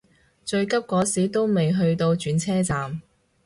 最急嗰時都未去到轉車站